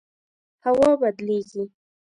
هوا بدلیږي